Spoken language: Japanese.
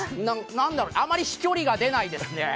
あまり飛距離が出ないですね。